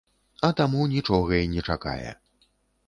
А таму нічога і не чакае.